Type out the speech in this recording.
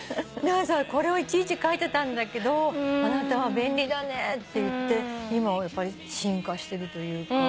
これをいちいち書いてたんだけどあなたは便利だねって言って今はやっぱり進化してるというか。